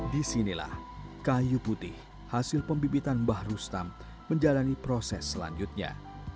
disinilah kayu putih hasil pembibitan mbah rustam menjalani proses selanjutnya